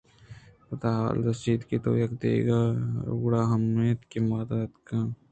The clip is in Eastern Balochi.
پدا حال رست کہ تو اد ءَ اتکگے گُڑا ہما اِنت کہ مااِدا اتککاں ءُتئی وداریگاں